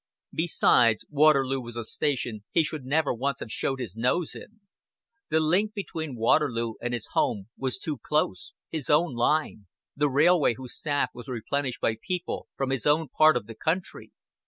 Besides, Waterloo was a station he should never once have showed his nose in; the link between Waterloo and home was too close his own line the railway whose staff was replenished by people from his own part of the country.